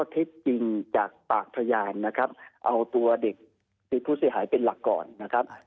เท็จจริงจากปากพยานนะครับเอาตัวเด็กคือผู้เสียหายเป็นหลักก่อนนะครับ